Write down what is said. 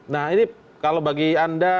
nah ini kalau bagi anda